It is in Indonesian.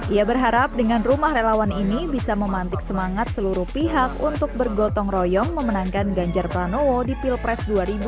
ia berharap dengan rumah relawan ini bisa memantik semangat seluruh pihak untuk bergotong royong memenangkan ganjar pranowo di pilpres dua ribu dua puluh